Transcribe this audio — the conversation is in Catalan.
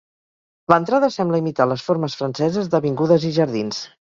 L'entrada sembla imitar les formes franceses d'avingudes i jardins.